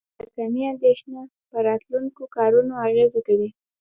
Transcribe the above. د ناکامۍ اندیښنه په راتلونکو کارونو اغیزه کوي.